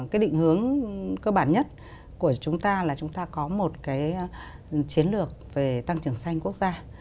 cái định hướng cơ bản nhất của chúng ta là chúng ta có một cái chiến lược về tăng trưởng xanh quốc gia